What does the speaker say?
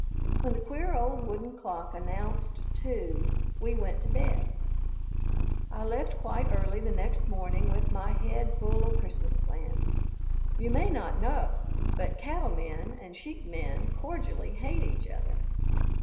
When the queer old wooden clock announced two we went to bed. I left quite early the next morning with my head full of Christmas plans. You may not know, but cattle men and sheep men cordially hate each other.